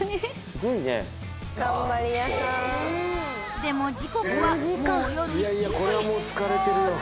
でも時刻はもう夜７時。